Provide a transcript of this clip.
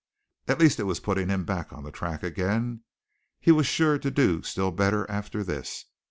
At least it was putting him back on the track again. He was sure to do still better after this.